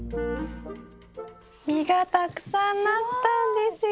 実がたくさんなったんですよ。